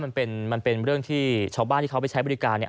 มันเป็นเรื่องที่ชาวบ้านที่เขาไปใช้บริการเนี่ย